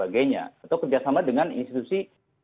atau kerjasama dengan institusi